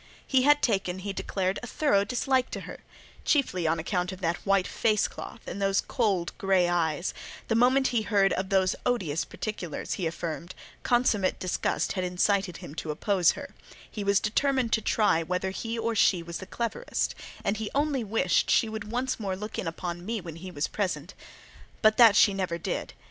He had taken," he declared, "a thorough dislike to her, chiefly on account of that white face cloth, and those cold grey eyes: the moment he heard of those odious particulars," he affirmed, "consummate disgust had incited him to oppose her; he was determined to try whether he or she was the cleverest, and he only wished she would once more look in upon me when he was present:" but that she never did.